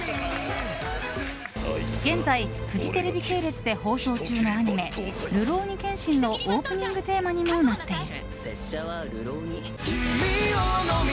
現在フジテレビ系列で放送中のアニメ「るろうに剣心」のオープニングテーマにもなっている。